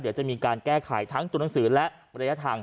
เดี๋ยวจะมีการแก้ไขทั้งตัวหนังสือและระยะทาง